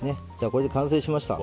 これで、完成しました。